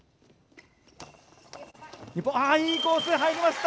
いいコース、入りました。